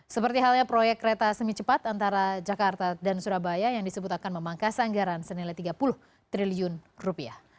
seperti halnya proyek kereta semi cepat antara jakarta dan surabaya yang disebut akan memangkas anggaran senilai tiga puluh triliun rupiah